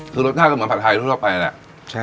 คือรสชาติก็เหมือนผัดไทยทั่วไปแหละ